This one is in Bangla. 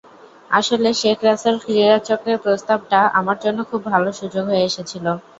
আসলে শেখ রাসেল ক্রীড়াচক্রের প্রস্তাবটা আমার জন্য খুব ভালো সুযোগ হয়ে এসেছিল।